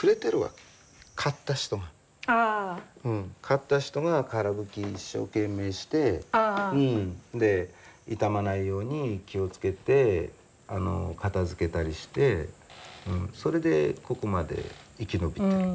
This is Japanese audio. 買った人がから拭き一生懸命して傷まないように気を付けて片づけたりしてそれでここまで生き延びてる。